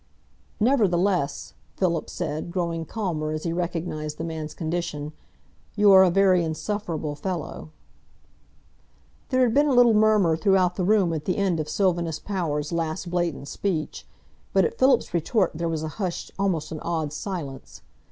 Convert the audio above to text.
"Nevertheless," Philip said, growing calmer as he recognised the man's condition, "you are a very insufferable fellow." There had been a little murmur throughout the room at the end of Sylvanus Power's last blatant speech, but at Philip's retort there was a hushed, almost an awed silence.